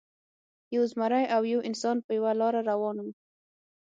یو زمری او یو انسان په یوه لاره روان وو.